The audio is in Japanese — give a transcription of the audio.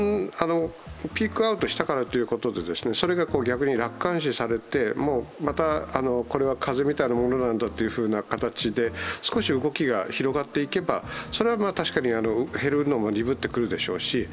ピークアウトしたからということでそれが逆に楽観視されて、またこれは風邪みたいなものだという形で少し動きが広がっていけば、それは確かに減るのも鈍ってくるでしょうし